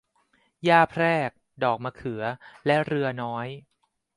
หญ้าแพรก ดอกมะเขือ และเรือน้อย